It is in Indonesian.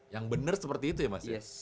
yang bener seperti itu ya mas ya